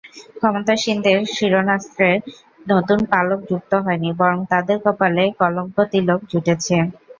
ক্ষমতাসীনদের শিরস্ত্রাণে নতুন পালক যুক্ত হয়নি, বরং তাদের কপালে কলঙ্কতিলক জুটেছে।